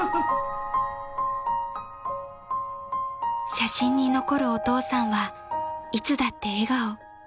［写真に残るお父さんはいつだって笑顔］